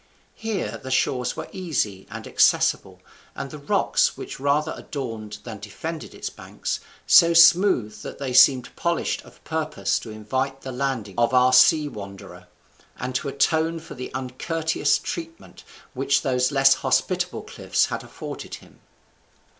Here the shores were easy and accessible, and the rocks, which rather adorned than defended its banks, so smooth that they seemed polished of purpose to invite the landing of our sea wanderer, and to atone for the uncourteous treatment which those less hospitable cliffs had afforded him.